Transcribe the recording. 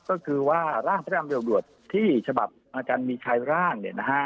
ก็คือว่าร่างพบตลที่ฉบับอาจารย์มีชายร่างเนี่ยนะฮะ